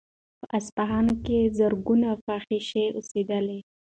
په اصفهان کې زرګونه فاحشې اوسېدلې.